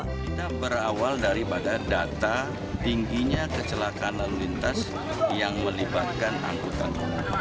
kita berawal daripada data tingginya kecelakaan lalu lintas yang melibatkan angkutan